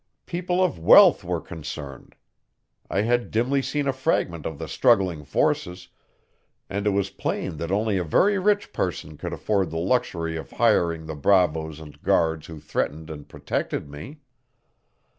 People of wealth were concerned. I had dimly seen a fragment of the struggling forces, and it was plain that only a very rich person could afford the luxury of hiring the bravos and guards who threatened and protected me.